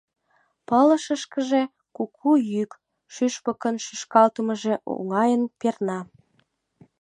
Пылышышкыже куку йӱк, шӱшпыкын шӱшкалтымыже оҥайын перна.